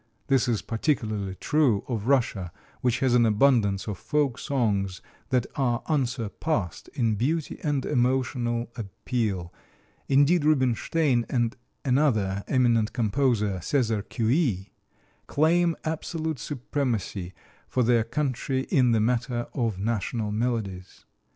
This is particularly true of Russia, which has an abundance of folk songs that are unsurpassed in beauty and emotional appeal; indeed, Rubinstein and another eminent composer, César Cui (kwee), claim absolute supremacy for their country in the matter of national melodies.